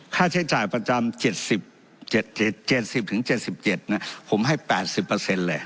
ค่าใช้จ่ายประจำ๗๐๗๗ผมให้๘๐เลย